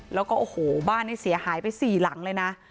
แล้วก็โอ้โหบ้านนี้เสียหายไป๔หลังเลยนะ